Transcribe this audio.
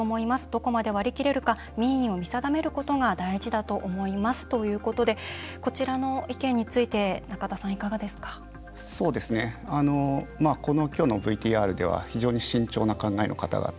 どこまで割り切れるか民意を見定めることが大事だと思いますということでこちらの意見についてきょうのＶＴＲでは非常に慎重な考えの方々